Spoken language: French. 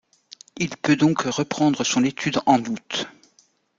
Il peut donc reprendre son étude en août.